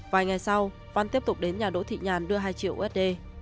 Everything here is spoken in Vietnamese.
vài ngày sau văn tiếp tục đến nhà đỗ thị nhàn đưa hai triệu usd